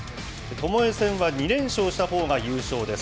ともえ戦は、２連勝したほうが優勝です。